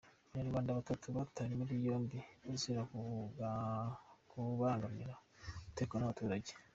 Abanyarwanda batatu batawe muri yombi bazira kubangamira umutekano w'abaturage.